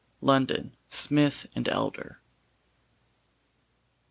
London: Smith and Elder.